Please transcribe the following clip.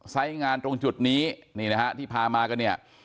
ใส่งานตรงจุดนี้นี่นะครับที่พามาก็เนี่ย